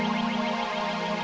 mereka muncul sekarang